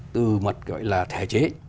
từ mật gọi là thể chế